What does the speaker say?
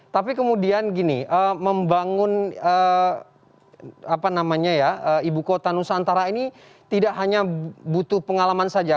tapi kemudian gini membangun ibu kota nusantara ini tidak hanya butuh pengalaman saja